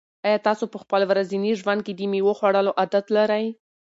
آیا تاسو په خپل ورځني ژوند کې د مېوو خوړلو عادت لرئ؟